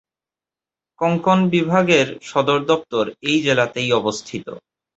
কোঙ্কণ বিভাগের সদর দপ্তর এই জেলাতেই অবস্থিত।